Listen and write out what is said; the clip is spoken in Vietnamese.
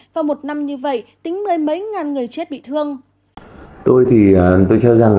và một năm như vậy tính mấy mấy ngàn người chết bị thương